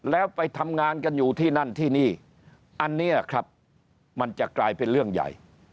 แล้วไปทำงานกันอยู่ที่นั่นที่นี่อันนี้ครับมันจะกลายเป็นเรื่องใหญ่